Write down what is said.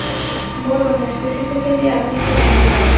বলুন, স্পেসিফিক্যালি আপনি কী জানতে চান।